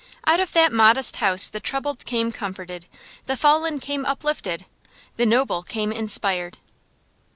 Out of that modest house the troubled came comforted, the fallen came uplifted, the noble came inspired.